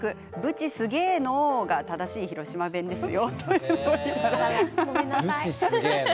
ではなく「ぶちすげえのう」が正しい広島弁ですよ。